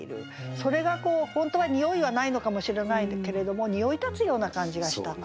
それが本当は匂いはないのかもしれないけれども匂い立つような感じがしたというね。